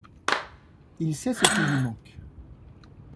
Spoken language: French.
Il sait ce qui lui manque.